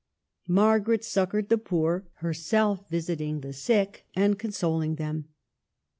Margaret succored the poor, herself visiting the sick and consol ing them.